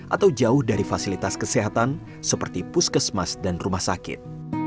atau jauh dari fasilitas kesehatan seperti puskesmas dan rumah sakit